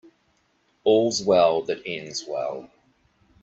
All's well that ends well.